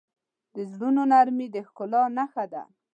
د زړونو نرمي د ښکلا نښه ده.